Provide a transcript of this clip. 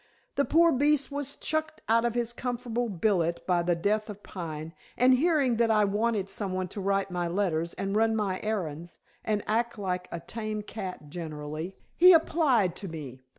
The poor beast was chucked out of his comfortable billet by the death of Pine, and hearing that I wanted some one to write my letters and run my errands, and act like a tame cat generally, he applied to me.